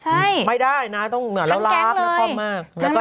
ใช่ทั้งแก๊งเลยน้องคอมมากแล้วก็ตั้นพี่ตั๊กจนแบบไม่ได้นะต้องเหนือร้าวร้าว